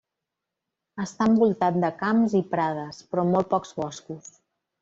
Està envoltat de camps i prades, però molt pocs boscos.